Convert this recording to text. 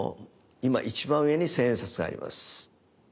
今一番上に千円札があります。